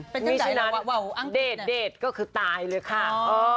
เป็นเช่นใจหรือว่าว่าอังกฤษเนี่ยเดทก็คือตายเลยค่ะ